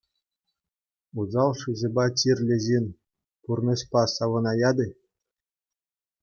Усал шыҫӑпа чирлӗ ҫын пурнӑҫпа савӑнаять-и?